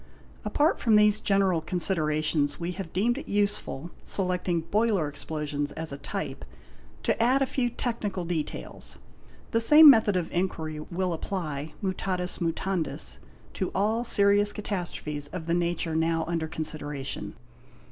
Apart from these general considerations, we have deemed it useful, selecting boiler explosions as a type, to add a few technical details; the. same method of inquiry will apply, mutatis mutandis, to all serious catas trophes of the nature now under consideration.